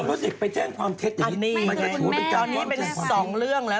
เอาลูกศิษย์ไปแจ้งความเท็จอย่างนี้